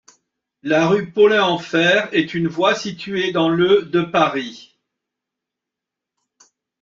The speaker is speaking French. La rue Paulin-Enfert est une voie située dans le de Paris.